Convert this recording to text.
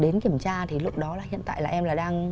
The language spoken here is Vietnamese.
đến kiểm tra thì lúc đó hiện tại là em đang